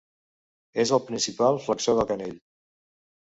És el principal flexor del canell.